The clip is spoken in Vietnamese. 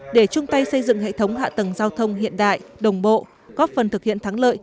để chung tay xây dựng hệ thống hạ tầng giao thông hiện đại đồng bộ góp phần thực hiện thắng lợi